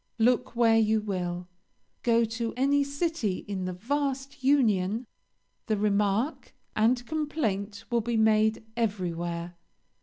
Look where you will, go to any city in the vast Union, the remark and complaint will be made everywhere.